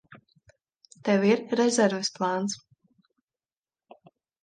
Tev ir rezerves plāns?